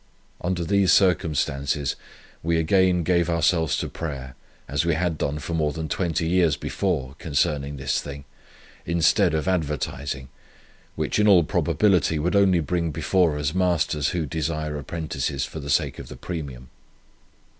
Under these circumstances, we again gave ourselves to prayer, as we had done for more than twenty years before, concerning this thing, instead of advertising, which, in all probability, would only bring before us masters who desire apprentices for the sake of the premium.